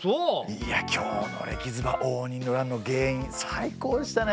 いや今日のレキズバ応仁の乱の原因最高でしたね！